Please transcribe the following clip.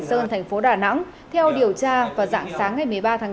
sơn thành phố đà nẵng theo điều tra vào dạng sáng ngày một mươi ba tháng bốn